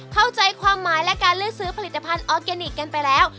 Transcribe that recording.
เข้าใจความหมายและการเลือกซื้อผลิตภัณฑ์ออร์แกนิคกันไปแล้ว